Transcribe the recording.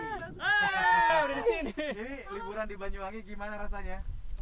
jadi pernikahan di banyuwangi bagaimana rasanya